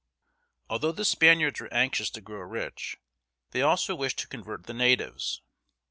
Although the Spaniards were anxious to grow rich, they also wished to convert the natives.